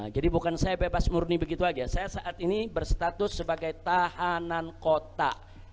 jadi bukan saya bebas murni begitu saja saya saat ini berstatus sebagai tahanan kota